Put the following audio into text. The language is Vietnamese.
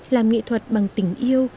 làm nghệ thuật bằng tình yêu